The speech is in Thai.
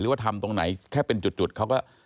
ว่าทำตรงไหนแค่เป็นจุดเขาก็